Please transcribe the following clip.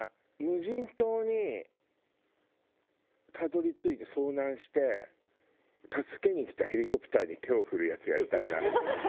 無人島にたどり着いて遭難して助けにきたヘリコプターに手を振るやつやりたいな。